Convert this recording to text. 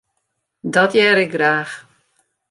Dat hear ik graach.